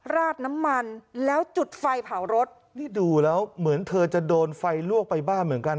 ราดน้ำมันแล้วจุดไฟเผารถนี่ดูแล้วเหมือนเธอจะโดนไฟลวกไปบ้านเหมือนกัน